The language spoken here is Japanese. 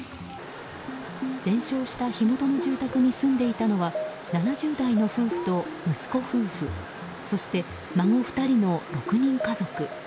全焼した火元の住宅に住んでいたのは７０代の夫婦と息子夫婦そして孫２人の６人家族。